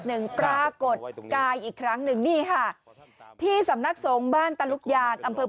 หนึ่งปรากฏกายอีกครั้งหนึ่งนี่ค่ะที่สำนักสงฆ์บ้านตะลุกยางอำเภอ